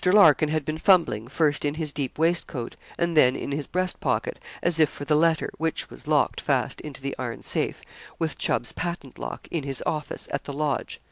Larkin had been fumbling, first in his deep waistcoat, and then in his breast pocket, as if for the letter, which was locked fast into the iron safe, with Chubb's patent lock, in his office at the Lodge.